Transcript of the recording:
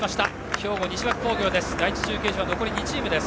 兵庫・西脇工業です。